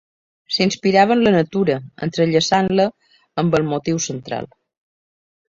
S'inspirava en la natura, entrellaçant-la amb el motiu central.